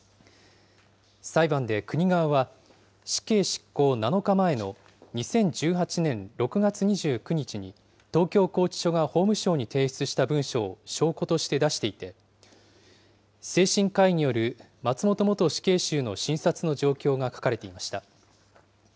裁判で国側は、死刑執行７日前の２０１８年６月２９日に東京拘置所が法務省に提出した文書を証拠として出していて、精神科医による松本元死刑囚の診察の状況が書かれていました。